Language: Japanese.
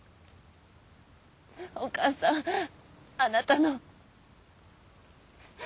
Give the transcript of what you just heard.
お母さんあなたの。